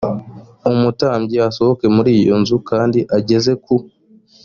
umutambyi asohoke muri iyo nzu kandi ageze ku